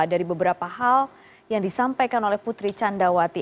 dari beberapa hal yang disampaikan oleh putri candrawati